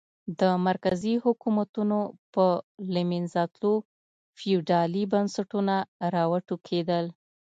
د مرکزي حکومتونو په له منځه تلو فیوډالي بنسټونه را وټوکېدل.